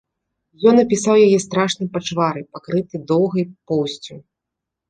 Ён апісаў яе страшным пачварай, пакрыты доўгай поўсцю.